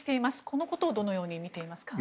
このことをどのように見ていますか。